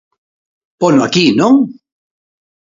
Pono aquí, ¿non?